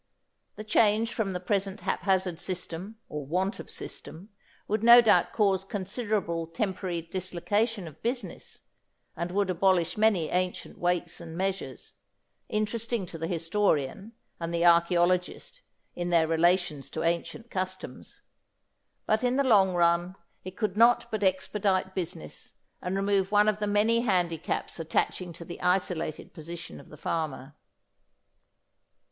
The change from the present haphazard system or want of system would no doubt cause considerable temporary dislocation of business, and would abolish many ancient weights and measures, interesting to the historian and the archaeologist in their relations to ancient customs, but in the long run it could not but expedite business, and remove one of the many handicaps attaching to the isolated position of the farmer.